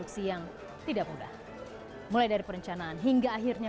kami adalah yang pertama di sana